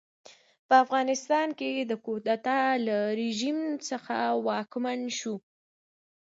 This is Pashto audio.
په افغانستان کې د کودتا له لارې رژیم واکمن شو.